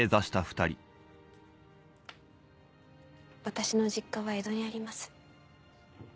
私の実家は江戸にあります。